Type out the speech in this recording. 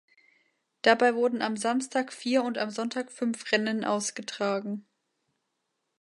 Dabei wurden am Samstag vier und am Sonntag fünf Rennen ausgetragen.